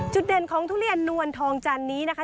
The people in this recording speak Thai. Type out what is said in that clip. เด่นของทุเรียนนวลทองจันนี้นะคะ